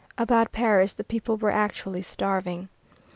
About Paris the people were actually starving.